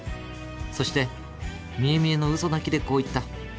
そして見え見えの嘘泣きでこう言った。